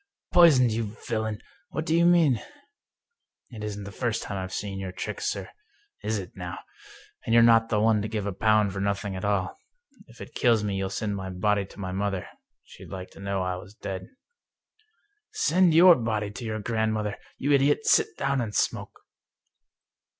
"" Poisoned, you villain! What do you mean?" "It isn't the first time I've seen your tricks, sir — is it now? And you're not the one to give a pound for nothing at all. If it kills me you'll send my body to my mother — she'd like to know that I was dead." " Send your body to your grandmother ! You idiot, sit down and smoke